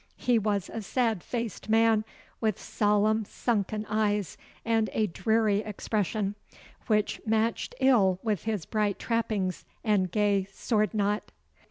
He was a sad faced man, with solemn sunken eyes and a dreary expression, which matched ill with his bright trappings and gay sword knot.